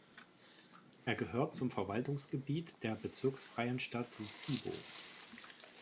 Er gehört zum Verwaltungsgebiet der bezirksfreien Stadt Zibo.